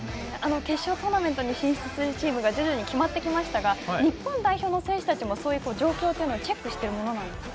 決勝トーナメントに進出するチームが徐々に決まってきましたが日本代表の選手たちもそういう状況をチェックしているものですか？